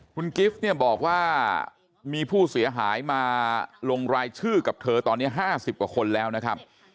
คุณกิฟต์เนี่ยบอกว่ามีผู้เสียหายมาลงรายชื่อกับเธอตอนนี้๕๐กว่าคนแล้วนะครับ